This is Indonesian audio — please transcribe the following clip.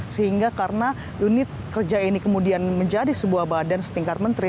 sehingga karena unit kerja ini kemudian menjadi sebuah badan setingkat menteri